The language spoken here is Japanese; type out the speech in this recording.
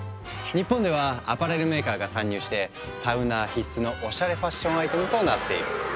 日本ではアパレルメーカーが参入してサウナー必須のおしゃれファッションアイテムとなっている。